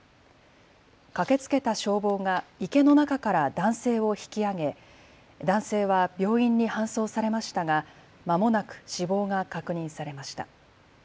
駆けつけた消防が池の中から男性を引きあげ男性は病院に搬送されましたがまもなく死亡が確認されました。